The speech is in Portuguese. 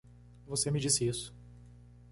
Você me disse isso.